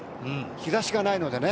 日差しがないのでね